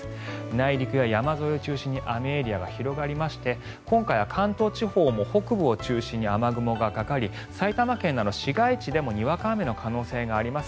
内陸や山沿いを中心に雨エリアが広がりまして今回は関東地方も北部を中心に雨雲がかかり埼玉県など市街地でもにわか雨の可能性があります。